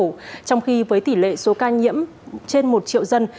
trong khi với tỷ lệ số ca nhiễm trên một triệu dân